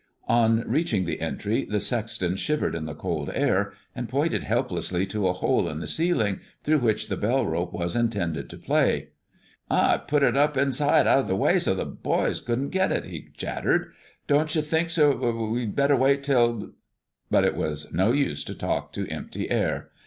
On reaching the entry, the sexton shivered in the cold air, and pointed helplessly to a hole in the ceiling, through which the bell rope was intended to play. "I put it up inside out of the way, so's the boys couldn't get it," he chattered. "D don't you think, sir, we'd better wait till" But it was no use to talk to empty air.